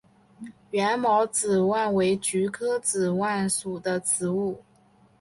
缘毛紫菀为菊科紫菀属的植物。